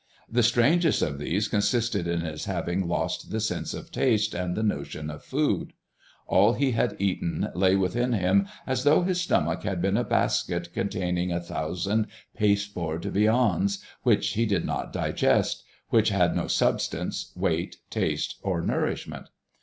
The strangest of these consisted in his having lost the sense of taste and the notion of food. All he had eaten lay within him as though his stomach had been a basket containing a thousand pasteboard viands which he did not digest, which had no substance, weight, taste, or nourishment.